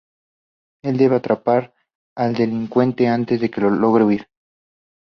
Él debe atrapar al delincuente antes de que logre huir.